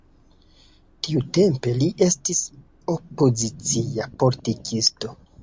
Tiutempe li estis opozicia politikisto.